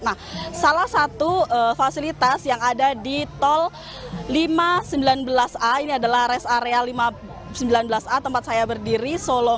nah salah satu fasilitas yang ada di tol lima ratus sembilan belas a ini adalah rest area sembilan belas a tempat saya berdiri solo